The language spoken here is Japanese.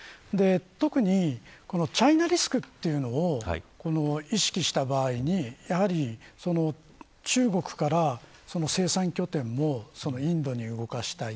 特に、チャイナリスクというのを意識した場合に中国から生産拠点もインドに動かしたい。